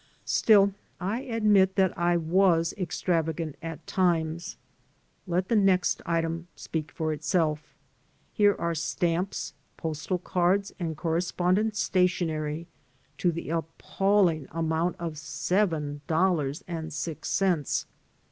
Still, I admit that I was extravagant at times. Let the next item speak for itself. Here are stamps, postal cards, and correspondence stationery to the appalling amount of seven dollars and six cents!